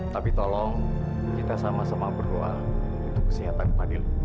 tapi tolong kita sama sama berdoa untuk kesehatan adil